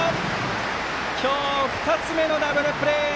今日、２つ目のダブルプレー。